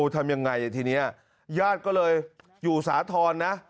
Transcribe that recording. ทำยังไงทีนี้ญาติก็เลยอยู่สาธรณ์นะ